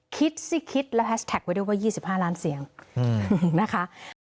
คิดสิคิดและแฮชแท็กไว้ด้วยว่า๒๕ล้านเสียงนะคะ